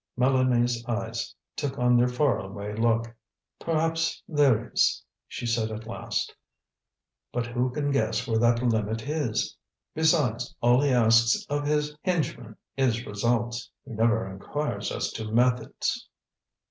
Mélanie's eyes took on their far away look. "Perhaps there is," she said at last, "but who can guess where that limit is? Besides, all he asks of his henchmen is results. He never inquires as to methods."